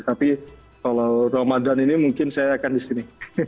tapi kalau ramadan ini mungkin saya akan di sini